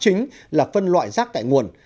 phương pháp chính là phân loại rác thải nguồn